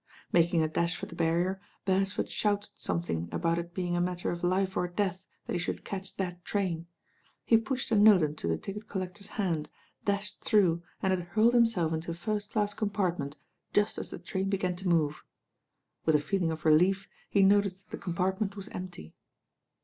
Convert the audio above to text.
Making a dash for the barrier, Beresford shouted something about it being a matter of life or death that he should catch that train. He pushed a note into the ticket collector's hand, dashed through and had hurled himself into a first class compartment just as the train began to move. With a feeling of relief he noticed that the compartment was empty.